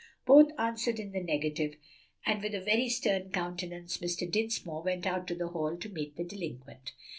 Both answered in the negative, and with a very stern countenance Mr. Dinsmore went out to the hall to meet the delinquent.